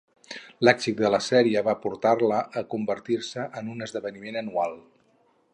L'èxit de la sèrie va portar-la a convertir-se en un esdeveniment anual.